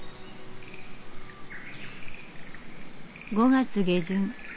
５月下旬。